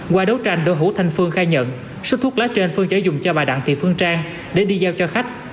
qua đấu tranh đồ hủ thanh phương khai nhận số thuốc lá trên phương chế dùng cho bà đặng thị phương trang để đi giao cho khách